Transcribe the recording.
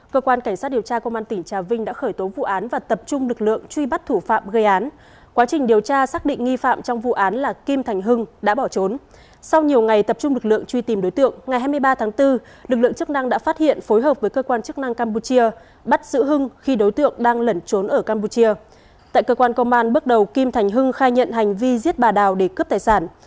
cơ quan cảnh sát điều tra công an tỉnh trà vinh đang tạm giữ hình sự đối tượng để tiếp tục điều tra làm rõ vụ án